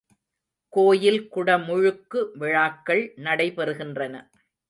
கோயில் குடமுழுக்கு விழாக்கள் நடைபெறுகின்றன.